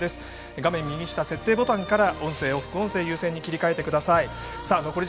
画面右下の設定ボタンから音声を副音声優先に切り替えてください。